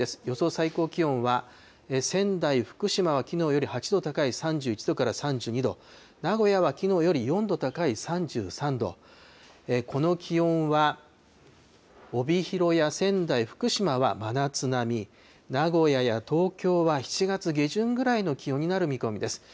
最高気温は仙台、福島はきのうより８度高い３１度から３２度、名古屋はきのうより４度高い３３度、この気温は帯広や仙台、福島は真夏並み、名古屋や東京は７月下旬ぐらいの気温になる見込みです。